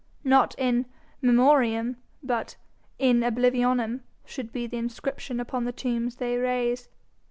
Not In Memoriam but In Oblivionem should be the inscription upon the tombs they raise.